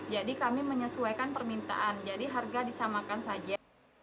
jadi kami menyesuaikan permintaan jadi harga disamakan saja